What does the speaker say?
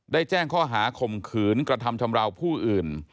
แจ้งข้อหาข่มขืนกระทำชำราวผู้อื่น